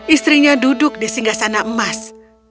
istrinya duduk di singgah sana emas